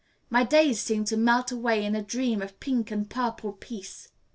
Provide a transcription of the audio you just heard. My days seemed to melt away in a dream of pink and purple peace.